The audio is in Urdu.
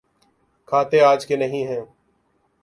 کھاتے آج کے نہیں ہیں۔